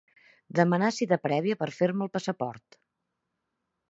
Demanar cita prèvia per fer-me el passaport.